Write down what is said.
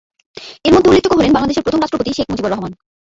এর মধ্যে উল্লেখযোগ্য হলেন বাংলাদেশের প্রথম রাষ্ট্রপতি শেখ মুজিবুর রহমান।